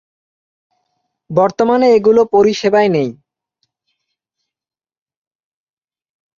বর্তমানে এগুলো পরিষেবায় নেই।